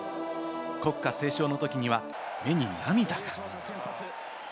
国歌斉唱のときには目に涙が。